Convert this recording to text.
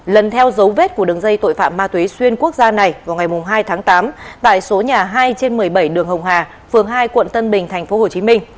lần theo dấu vết của đường dây tội phạm ma túy xuyên quốc gia này vào ngày hai tháng tám tại số nhà hai trên một mươi bảy đường hồng hà phường hai quận tân bình tp hcm